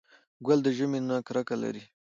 ګل د ژمي نه کرکه لري.